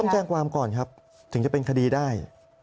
แจ้งความก่อนครับถึงจะเป็นคดีได้